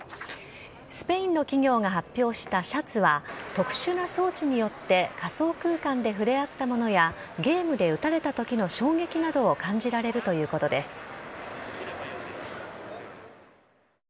スペインの企業が発表したシャツは特殊な装置によって仮想空間で触れ合ったものやゲームで撃たれたときの衝撃などを感じられるということです。